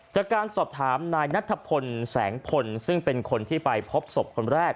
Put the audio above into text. จากการสอบถามนายนัทพลแสงพลซึ่งเป็นคนที่ไปพบศพคนแรก